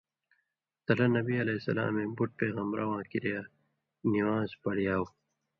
تلہ نبی علیہ السلامے بُٹ پېغمبرہ واں کِریا نِوان٘ز پڑیاؤ۔